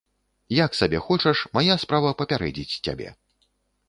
Як сабе хочаш, мая справа папярэдзіць цябе.